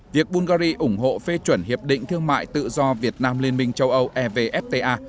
việc bungary ủng hộ phê chuẩn hiệp định thương mại tự do việt nam liên minh châu âu evfta